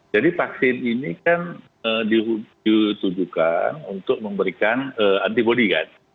jadi vaksin ini kan ditujukan untuk memberikan antibody kan